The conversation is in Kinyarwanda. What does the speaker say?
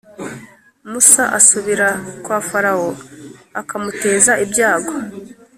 musa asubira kwa farawo akamuteza ibyago